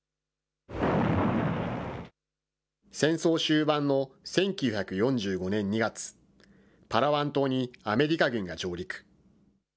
戦争終盤の１９４５年２月、パラワン島にアメリカ軍が上陸。